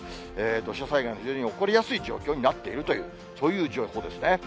土砂災害が非常に起こりやすい状況になっているという、そういう情報ですね。